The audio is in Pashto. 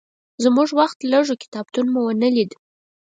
زموږ وخت لږ و، کتابتون مو ونه لید.